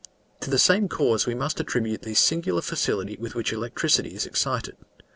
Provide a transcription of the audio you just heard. To the same cause we must attribute the singular facility with which electricity is excited.